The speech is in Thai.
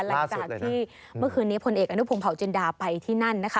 ถ้ำหลวงลงที่เมื่อคืนนี้ผลเอกอนุเราปงเผาเจนดาไปที่นั่น